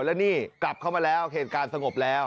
แล้วนี่กลับเข้ามาแล้วเหตุการณ์สงบแล้ว